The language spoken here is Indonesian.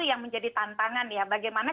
yang menjadi tantangan ya bagaimana